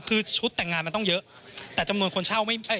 คือชุดแต่งงานมันต้องเยอะแต่จำนวนคนเช่าไม่ใช่